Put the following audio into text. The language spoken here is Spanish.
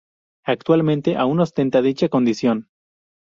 Actualmente aun ostenta dicha condición.